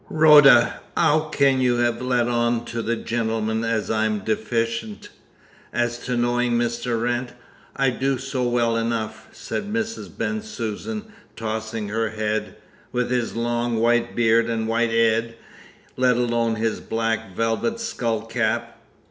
Rhoda, 'ow can you 'ave let on to the gentleman as I'm deficient? As to knowing Mr. Wrent, I'd do so well enough," said Mrs. Bensusan, tossing her head, "with his long white beard and white 'ead, let alone his black velvet skull cap."